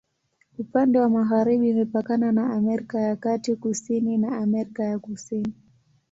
Upande wa magharibi imepakana na Amerika ya Kati, kusini na Amerika ya Kusini.